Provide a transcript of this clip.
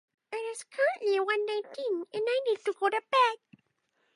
It is currently one nineteen and I need to go to bed.